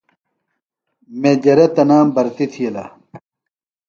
میجرہ تنام برتیۡ تِھیلہ۔